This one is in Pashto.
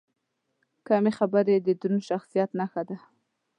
کمې خبرې، د دروند شخصیت نښه ده.